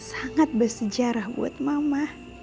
sangat bersejarah buat mama